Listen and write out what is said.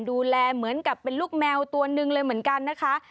ดูแลเหมือนกับเป็นลูกแมวตัวหนึ่งเลยเหมือนกันนะคะ